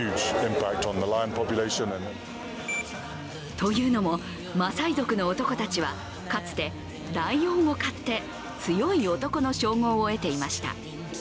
というのも、マサイ族の男たちは、かつてライオンを狩って強い男の称号を得ていました。